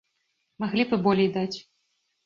Маглі б і болей даць.